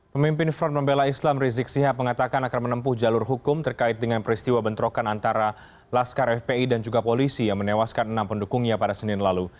pemimpin front pembela islam rizik sihab mengatakan akan menempuh jalur hukum terkait dengan peristiwa bentrokan antara laskar fpi dan juga polisi yang menewaskan enam pendukungnya pada senin lalu